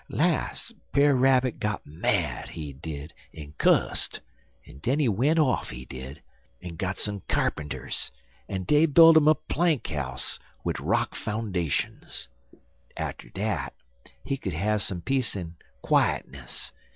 Las' Brer Rabbit got mad, he did, en cusst, en den he went off, he did, en got some kyarpinters, en dey b'ilt 'im a plank house wid rock foundashuns. Atter dat he could have some peace en quietness.